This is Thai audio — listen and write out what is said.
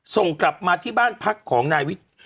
ส่งกลับมาที่บ้านพักของนายวิทย์